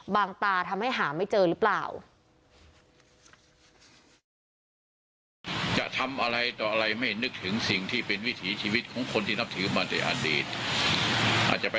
ตาทำให้หาไม่เจอหรือเปล่า